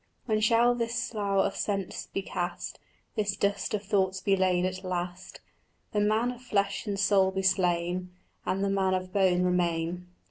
"When shall this slough of sense be cast, This dust of thoughts be laid at last, The man of flesh and soul be slain And the man of bone remain?"